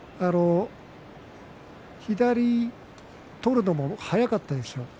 左を取るのも速かったですよ。